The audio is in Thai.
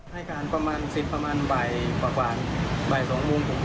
ให้การประมาณ๑๐ประมาณบ่ายปากหวานบ่าย๒มุม